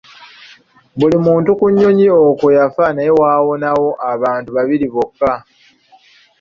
Buli muntu ku nnyonyi okwo yafa naye waawonawo abantu babiri bokka.